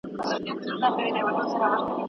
دغه حاجي چي دی تر نورو حاجیانو ډېر ليري تللی دی.